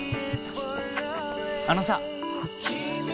あのさ。